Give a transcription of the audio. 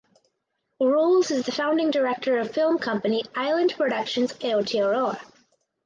Rolls is the founding director of film company Island Productions Aotearoa.